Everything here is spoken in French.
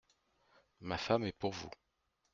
Ma femme est pour vous…